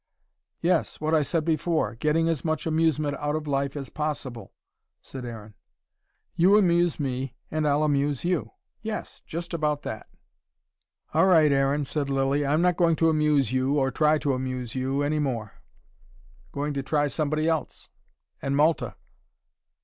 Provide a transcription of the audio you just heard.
"Yes what I said before: getting as much amusement out of life as possible," said Aaron. "You amuse me and I'll amuse you." "Yes just about that." "All right, Aaron," said Lilly. "I'm not going to amuse you, or try to amuse you any more." "Going to try somebody else; and Malta."